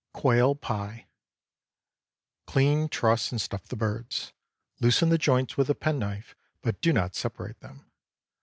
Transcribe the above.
QUAIL PIE. Clean, truss, and stuff the birds. Loosen the joints with a penknife, but do not separate them.